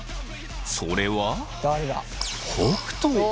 それは北斗。